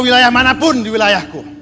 di wilayah mana pun di wilayahku